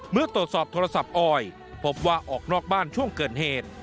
เมื่อตรวจสอบโทรศัพท์ออยพบว่าออกนอกบ้านช่วงเกิดเหตุ